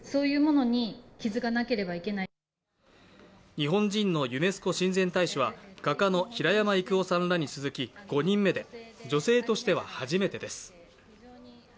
日本人のユネスコ親善大使は画家の平山郁夫さんらに続き５人目で女性としては初めてです。